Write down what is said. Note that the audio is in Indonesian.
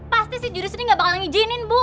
pasti si jurus ini nggak bakalan ngijinin bu